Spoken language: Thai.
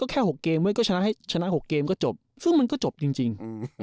ก็แค่หกเกมเว้ยก็ชนะให้ชนะหกเกมก็จบซึ่งมันก็จบจริงจริง